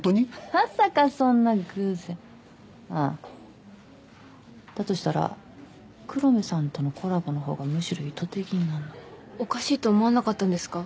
まさかそんな偶然ああだとしたら黒目さんとのコラボのほうがむしろ意図的になんのかおかしいと思わなかったんですか？